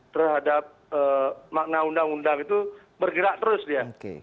terhadap makna undang undang itu bergerak terus dia